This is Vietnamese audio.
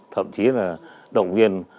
thậm chí là động viên